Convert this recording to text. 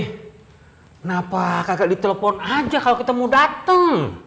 kenapa kagak ditelepon aja kalau kita mau dateng